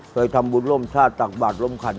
เคยทำบุญร่วมชาติตักบาทร่มขัน